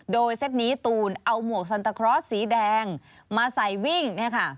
โดยเซ็ตนี้ตูนเอาหมวกซันตาครอสสีแดงมาใส่วิ่ง